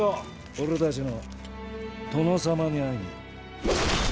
俺たちの殿様に会いに。